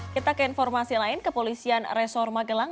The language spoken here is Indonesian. kita ke informasi lain ke polisian resor magelang